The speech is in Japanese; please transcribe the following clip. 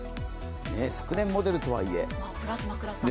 昨年モデルとはいえ。